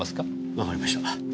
わかりました。